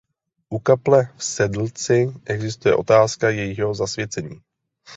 U kaple v Sedlci existuje otázka jejího zasvěcení.